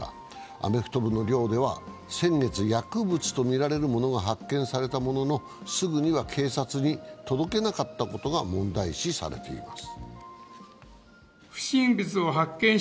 アメフト部の寮では先月、薬物とみられるものが発見されたもののすぐには警察に届けなかったことが問題視されています。